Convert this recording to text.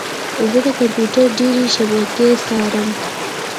زه د کمپیوټر ډیرې شبکې څارم.